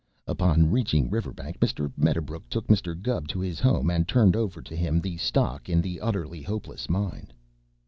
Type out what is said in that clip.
Upon reaching Riverbank Mr. Medderbrook took Mr. Gubb to his home and turned over to him the stock in the Utterly Hopeless Mine.